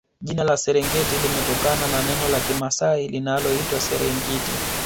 Jina la Serengeti limetokana na neno la kimasai linaloitwa Serengiti